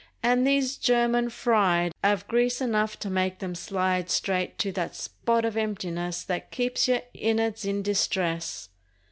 And these "German fried" 'Ave grease enough to make 'em slide Straight to that spot of emptiness That keeps your innards in distress!